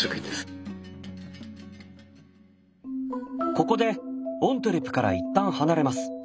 ここでオントゥレから一旦離れます。